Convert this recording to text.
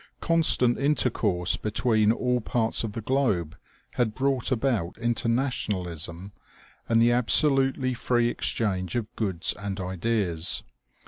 Constant intercourse between all parts of the globe had brought about internationalism, and the absolutely free exchange of goods and ideas.